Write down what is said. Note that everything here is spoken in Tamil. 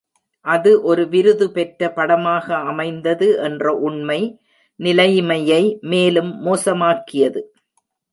அது ஒரு விருது பெற்ற படமாக அமைந்தது என்ற உண்மை நிலைமையை மேலும் மோசமாக்கியது.